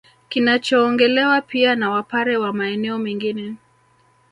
Kinachoongelewa pia na Wapare wa maeneo mengine